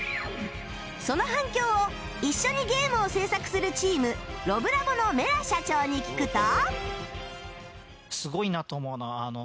その反響を一緒にゲームを制作するチームロブラボのメラ社長に聞くと